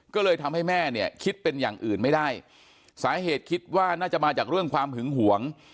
ก็เลยทำให้แม่เนี่ยคิดเป็นอย่างอื่นไม่ได้สาเหตุคิดว่าน่าจะมาจากเรื่องความหึงหวง